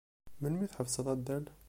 Melmi i tḥebseḍ addal?